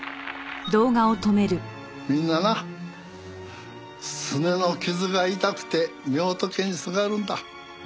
みんななすねの傷が痛くて御仏にすがるんだ。